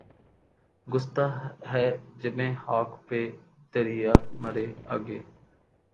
گھستا ہے جبیں خاک پہ دریا مرے آگے